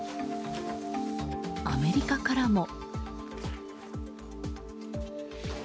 アメリカからも。